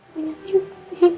menyakini seperti ini